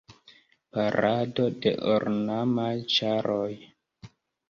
Parado de ornamaj ĉaroj.